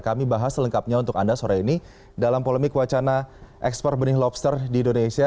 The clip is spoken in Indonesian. kami bahas selengkapnya untuk anda sore ini dalam polemik wacana ekspor benih lobster di indonesia